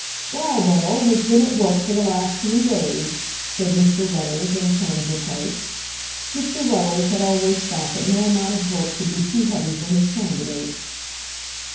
"Browborough has been at work for the last three days," said Mr. Ruddles, in a tone of reproach. Mr. Ruddles had always thought that no amount of work could be too heavy for his candidates.